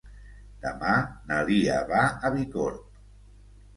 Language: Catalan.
Demà na Lia va a Bicorb.